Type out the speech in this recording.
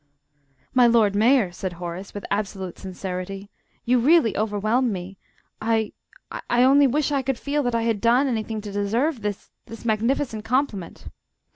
"My Lord Mayor," said Horace, with absolute sincerity, "you really overwhelm me. I I only wish I could feel that I had done anything to deserve this this magnificent compliment!"